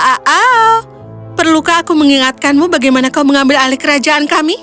a a a perlukah aku mengingatkanmu bagaimana kau mengambil alih kerajaan kami